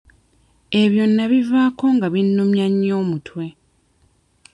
Ebyo nnabivaako nga binnumya nnyo omutwe.